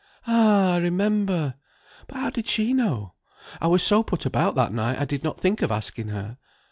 "Ah, I remember! but how did she know? I was so put about that night I did not think of asking her.